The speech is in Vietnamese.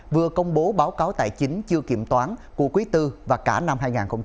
vừa công bố báo cáo tài chính chưa kiểm toán của quý tư và cả năm hai nghìn hai mươi